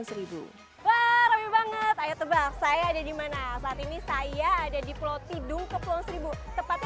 seribu banget saya ada di mana saat ini saya ada di pulau tidung ke pulau seribu tepatnya